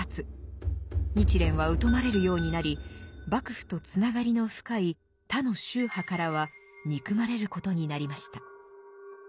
日蓮は疎まれるようになり幕府とつながりの深い他の宗派からは憎まれることになりました。